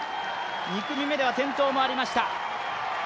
２組目では転倒もありました